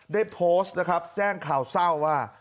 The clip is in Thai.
ได้โพสต์นะครับแจ้งข่าวเศร้าว่า